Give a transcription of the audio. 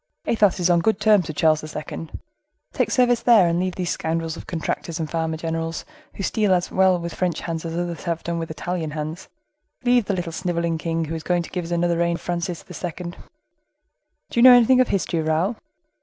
Athos is on good terms with Charles II. Take service there, and leave these scoundrels of contractors and farmers general, who steal as well with French hands as others have done with Italian hands; leave the little snivelling king, who is going to give us another reign of Francis II. Do you know anything of history, Raoul?"